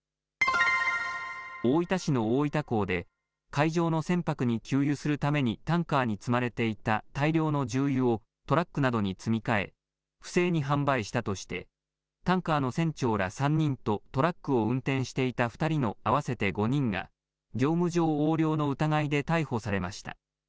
大分市の大分港で海上の船舶に給油するためにタンカーに積まれていた大量の重油をトラックなどに積み替え、不正に販売したとして、タンカーの船長ら３人とトラックを運転していた２人の合わせて５人が、業務上横領の疑いで逮捕されました。